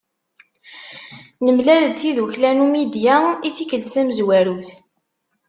Nemlal-d tiddukkla Numidya i tikkelt tamezwarut.